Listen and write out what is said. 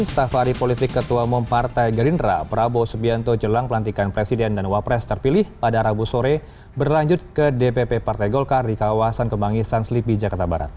safari politik ketua umum partai gerindra prabowo subianto jelang pelantikan presiden dan wapres terpilih pada rabu sore berlanjut ke dpp partai golkar di kawasan kemangisan selipi jakarta barat